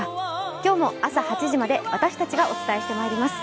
今日も朝８時まで私たちがお伝えしてまいります。